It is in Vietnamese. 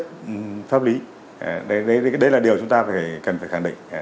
tính chất pháp lý đấy là điều chúng ta cần phải khẳng định